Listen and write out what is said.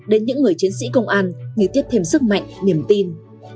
đến những người chiến sĩ công an như tiếp thêm sức mạnh niềm tin